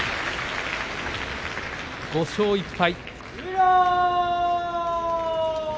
５勝１敗。